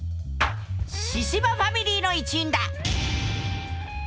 神々ファミリーの一員だ！